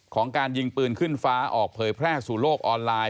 การยิงปืนขึ้นฟ้าออกเผยแพร่สู่โลกออนไลน์